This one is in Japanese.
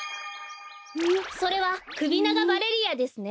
それはクビナガバレリアですね。